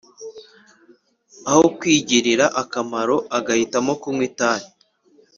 Aho kwigirira akamaro, agahitamo kunywa itabi